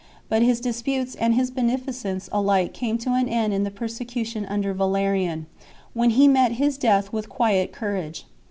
But his disputes and his beneficence alike came to an end in the persecution under Valerian, when he met his death with quiet courage.